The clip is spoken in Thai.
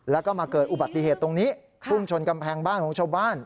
แล้วก็มาเกิดอุบัติเหตุตรงนี้พุ่งชนกำแพงบ้านของชาวบ้าน